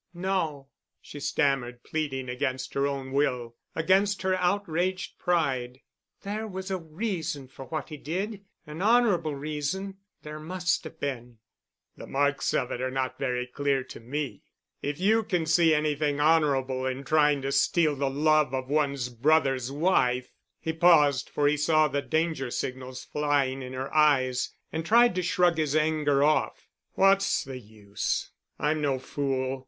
"No," she stammered, pleading against her own will, against her outraged pride. "There was a reason for what he did—an honorable reason. There must have been." "The marks of it are not very clear to me. If you can see anything honorable in trying to steal the love of one's brother's wife——" He paused, for he saw the danger signals flying in her eyes, and tried to shrug his anger off. "What's the use? I'm no fool.